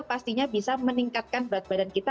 pastinya bisa meningkatkan berat badan kita